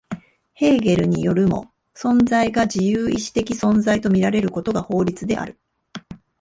ヘーゲルによるも、存在が自由意志的存在と見られることが法律である。